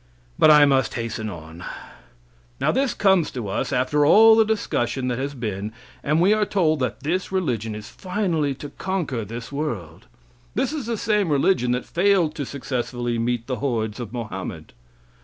But I must hasten on. Now this comes to us after all the discussion that has been, and we are told that this religion is finally to conquer this world. This is the same religion that failed to successfully meet the hordes of Mohammed.